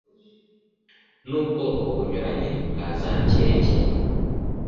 nubwoko bunyuranye bwa za keke